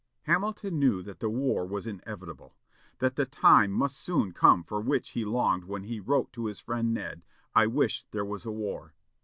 Hamilton knew that the war was inevitable; that the time must soon come for which he longed when he wrote to his friend Ned, "I wish there was a war."